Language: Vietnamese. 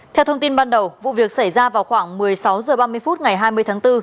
theo thông tin ban đầu vụ việc xảy ra vào khoảng một mươi sáu h ba mươi